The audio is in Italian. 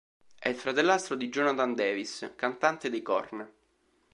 È il fratellastro di Jonathan Davis, cantante dei Korn.